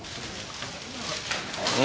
何？